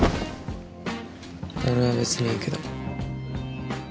俺はべつにいいけど。